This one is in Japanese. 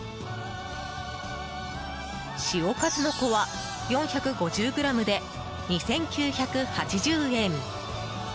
塩数の子は４５０ｇで２９８０円。